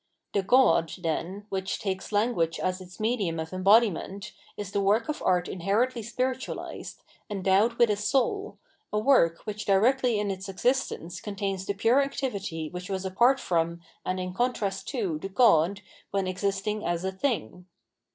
The god, then, which takes language as its medium of em bodiment, is the work of art inherently spirituahsed, endowed with a soul, a work which directly in its existence contains the pure activity which was apart from and in contrast to the god when existing as a " thing."